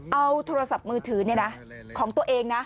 เอาโทรศัพท์มือถือของตัวเองนะ